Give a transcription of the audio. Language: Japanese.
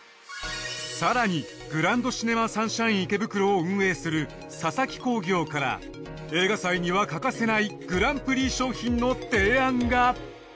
更にグランドシネマサンシャイン池袋を運営する佐々木興業から映画祭には欠かせないグランプリ賞品の提案が。